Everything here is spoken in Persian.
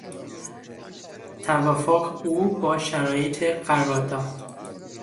توافق او با شرایط قرار داد